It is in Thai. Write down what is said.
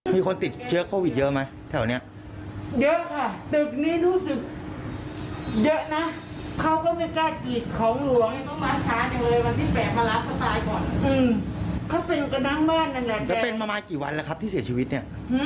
สาวก็ติดก่อนแต่ตัวแม่เนี่ยไม่รู้นะ